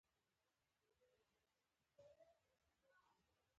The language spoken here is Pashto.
دباندې مې پر ګل جانې سترګې ولګېدې، کړکۍ مې و ټکول.